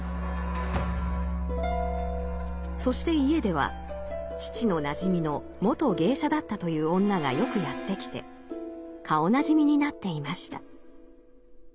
そして家では父のなじみの元芸者だったという女がよくやって来て顔なじみになっていました。